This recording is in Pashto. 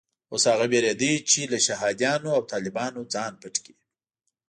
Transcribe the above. اوس هغه وېرېده چې له شهادیانو او طالبانو ځان پټ کړي.